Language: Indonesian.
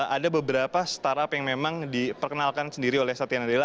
ada beberapa startup yang memang diperkenalkan sendiri oleh satya nadela